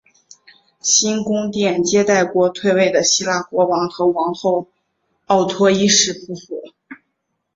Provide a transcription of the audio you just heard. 新宫殿接待过退位的希腊国王和王后奥托一世夫妇。